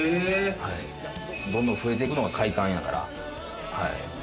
どんどん増えていくのが快感やから。